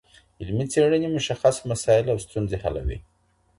علمي څېړني مشخص مسایل او ستونزي حلوي.